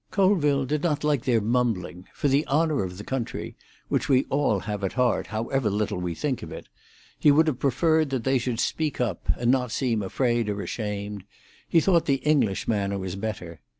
Colville did not like their mumbling; for the honour of the country, which we all have at heart, however little we think it, he would have preferred that they should speak up, and not seem afraid or ashamed; he thought the English manner was better.